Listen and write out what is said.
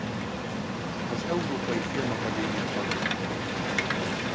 Az Európai Filmakadémia tagja.